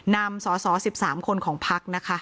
และการแสดงสมบัติของแคนดิเดตนายกนะครับ